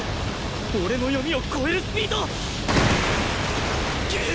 俺の読みを超えるスピード！？くっ！